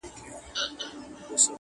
د حق ناره مي کړې ځانته غرغړې لټوم,